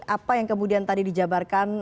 apa yang kemudian tadi dijabarkan